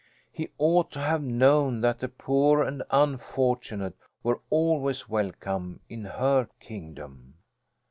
He ought to have known that the poor and unfortunate were always welcome in her kingdom.